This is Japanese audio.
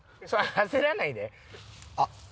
焦らないで。